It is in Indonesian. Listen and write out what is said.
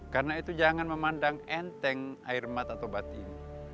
karena itu jangan memandang enteng air mata taubat ini